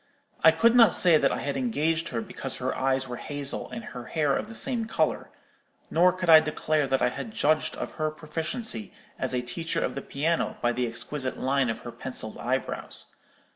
I could not say that I had engaged her because her eyes were hazel, and her hair of the same colour; nor could I declare that I had judged of her proficiency as a teacher of the piano by the exquisite line of her pencilled eyebrows.